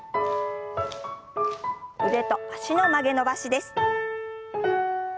腕と脚の曲げ伸ばしです。